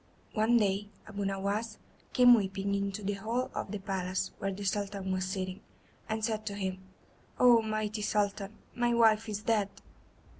One day Abu Nowas came weeping into the hall of the palace where the Sultan was sitting, and said to him: "Oh, mighty Sultan, my wife is dead."